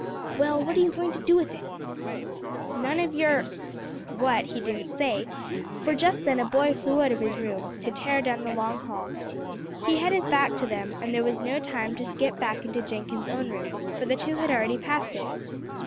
"Well, what are you going to do with it?" "None of your " what, he didn't say, for just then a boy flew out of his room, to tear down the long hall. He had his back to them, and there was no time to skip back into Jenkins' own room, for the two had already passed it.